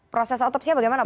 proses otopsi bagaimana pak